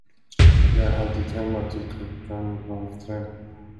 Jag är alltid hemma till klockan halv tre.